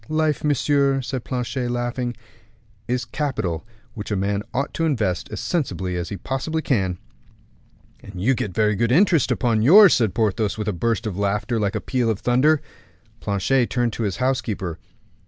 "Life, monsieur," said Planchet, laughing, "is capital which a man ought to invest as sensibly as he possibly can." "And you get very good interest for yours," said Porthos, with a burst of laughter like a peal of thunder. Planchet turned to his housekeeper.